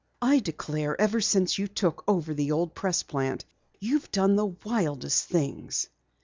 I declare, ever since you took over the old Press plant, you've done the wildest things."